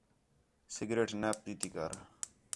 سگریٹ نہ پینی کر